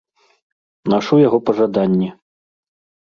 Нашу яго па жаданні.